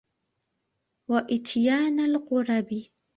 وَإِتْيَانَ الْقُرَبِ